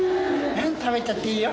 何食べたっていいよ。